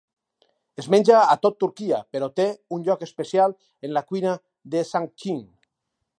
Es menja a tot Turquia, però té un lloc especial en la cuina de Çankırı.